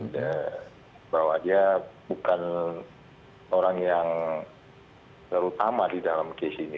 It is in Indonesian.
bahwa dia bukan orang yang terutama di dalam kes ini